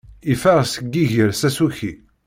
Iffeɣ seg iger s asuki.